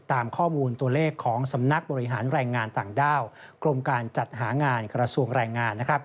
ตามข้อมูลตัวเลขของสำนักบริหารแรงงานต่างด้าวกรมการจัดหางานกระทรวงแรงงาน